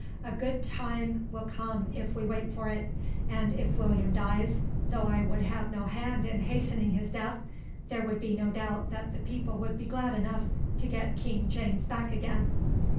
"A good time will come if we wait for it; and if William dies, though I would have no hand in hastening his death, there would be no doubt that the people would be glad enough to get King James back again."